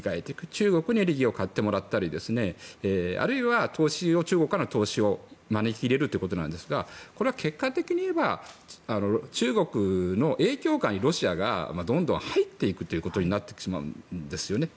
中国にエネルギーを買ってもらったりあるいは投資を招き入れるということですがこれは結果的に言えば中国の影響下にロシアがどんどん入っていくということになってしまうんですよね。